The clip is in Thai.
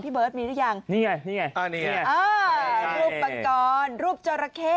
พี่เบิร์ตมีหรือยังนี่ไงนี่ไงอ่านี่ไงอ่ารูปมังกรรูปจอราเค